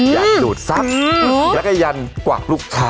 ยันหยุดซับแล้วก็ยันกว่ากลูกค้า